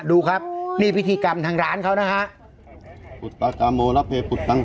ดูครับนี่พิธีกรรมทางร้านเขานะคะ